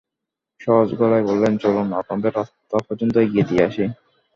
সহজ গলায় বললেন, চলুন, আপনাদের রাস্তা পর্যন্ত এগিয়ে দিয়ে আসি।